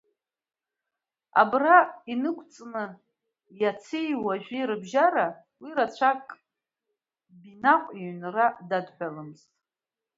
Абра инықәҵны ицеи уажәи рыбжьара уи рацәак Бинаҟә иҩнра дадҳәыломызт.